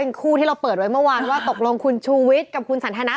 เป็นคู่ที่เราเปิดไว้เมื่อวานว่าตกลงคุณชูวิทย์กับคุณสันทนา